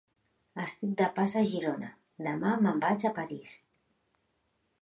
Estic de pas a Girona, demà me'n vaig a París.